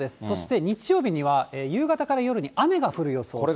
そして日曜日には、夕方から夜に雨が降る予想。